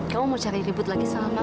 kamu mau jalan ribut lagi ke kakitori